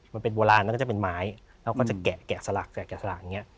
มันเป็นโบราณแล้วก็จะเป็นไม้เราก็จะแกะสลักแกะสลักอย่างนี้